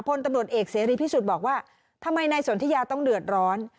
พลตำรวจเอกเสรีพิสุทธิ์บอกว่าทำไมนายสนทิยาต้องเดือดร้อน